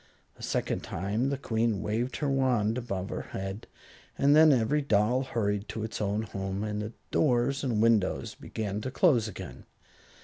A second time the Queen waved her wand above her head, and then every doll hurried to its own home, and the doors and windows began to close again.